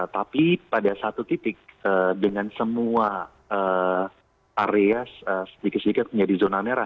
tapi pada satu titik dengan semua area sedikit sedikit menjadi zona merah